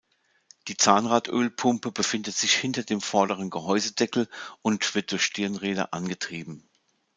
Die Zahnrad-Ölpumpe befindet sich hinter dem vorderen Gehäusedeckel und wird durch Stirnräder angetrieben.